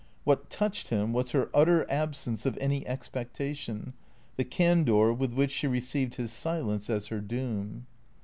What touched him was her utter ab sence of any expectation, the candour with which she received his silence as her doom.